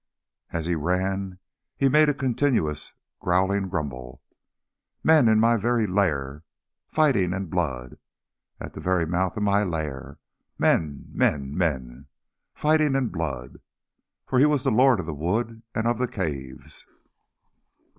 As he ran he made a continuous growling grumble. "Men in my very lair! Fighting and blood. At the very mouth of my lair. Men, men, men. Fighting and blood." For he was the lord of the wood and of the caves.